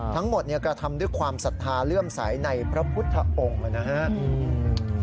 กระทำด้วยความศรัทธาเลื่อมใสในพระพุทธองค์นะครับ